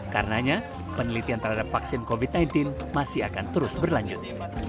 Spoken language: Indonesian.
karenanya penelitian terhadap vaksin covid sembilan belas masih akan terus berlanjut